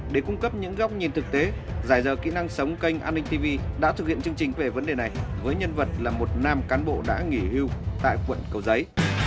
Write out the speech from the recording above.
để cung cấp những góc nhìn thực tế giải dờ kỹ năng sống kênh an ninh tv đã thực hiện chương trình về vấn đề này với nhân vật là một nam cán bộ đã nghỉ hưu tại quận cầu giấy